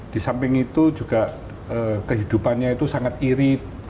di samping itu juga kehidupannya itu sangat irit